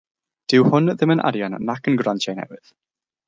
Dyw hwn ddim yn arian nac yn grantiau newydd.